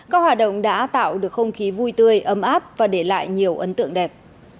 các hoạt động đã tạo được không khí vui tươi ấm áp và để lại nhiều ấn tượng đẹp